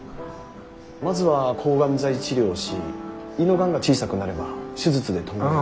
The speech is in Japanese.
まずは抗がん剤治療をし胃のがんが小さくなれば手術で取り除き。